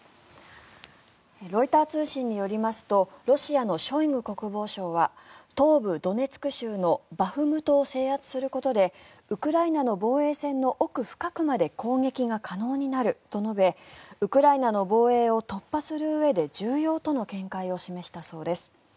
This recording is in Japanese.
ロイター通信によりますとロシアのショイグ国防相は東部ドネツク州のバフムトを制圧することでウクライナの防衛線の奥深くまで攻撃が可能になると述べウクライナの防衛を突破するうえで重要との見解を示したそうです。